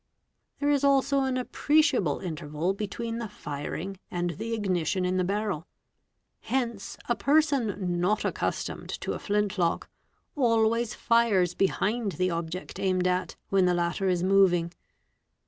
There is also an ~ appreciable interval between the firing and the ignition in the barrel; — hence a person not accustomed to a flint lock always fires behind the object aimed at, when the latter is moving.